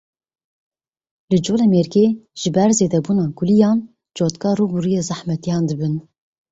Li Colemêrgê ji ber zêdebûba kuliyan cotkar rûbirûyê zehmetiyan dibin.